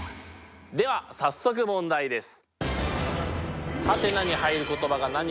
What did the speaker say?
では早速問題です。